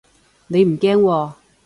你唔驚喎